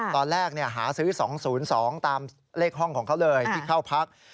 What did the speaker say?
ตอนแรกหาซื้อ๒๐๒ตามเลขห้องของเขาเลยที่เข้าพัก